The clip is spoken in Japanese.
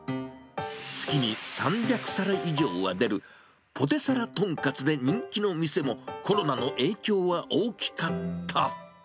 月に３００皿以上は出る、ポテサラトンカツで人気の店も、コロナの影響は大きかった。